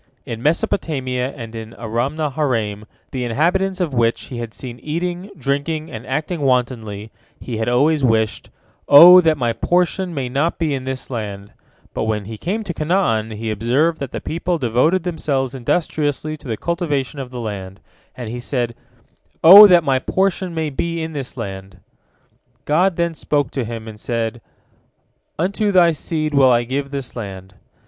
In Mesopotamia and in Aramnaharaim, the inhabitants of which he had seen eating, drinking, and acting wantonly, he had always wished, "O that my portion may not be in this land," but when he came to Canaan, he observed that the people devoted themselves industriously to the cultivation of the land, and he said, "O that my portion may be in this land!" God then spoke to him, and said, "Unto thy seed will I give this land."